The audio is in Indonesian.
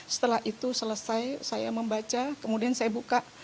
setelah itu selesai saya membaca kemudian saya buka